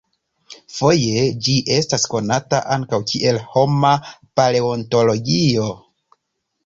Foje ĝi estas konata ankaŭ kiel "homa paleontologio".